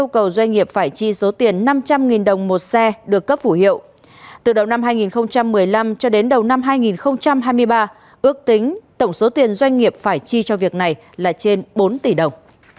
tổng số tiền doanh nghiệp phải chi cho việc này là trên bốn tỷ đồng